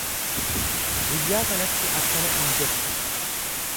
Guyyaa sanatti akkana in jettu.